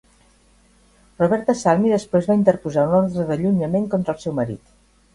Roberta Salmi després va interposar una ordre d'allunyament contra el seu marit.